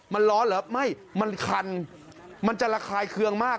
มันร้อนเหรอไม่มันคันมันจะระคายเคืองมาก